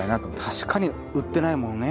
確かに売ってないもんね。